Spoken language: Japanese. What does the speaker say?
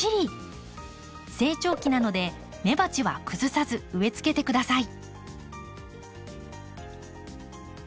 成長期なので根鉢は崩さず植えつけてください。